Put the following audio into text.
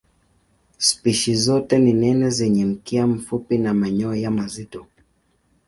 Spishi zote ni nene zenye mkia mfupi na manyoya mazito.